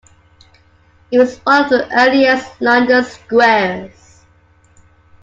It was one of the earliest London squares.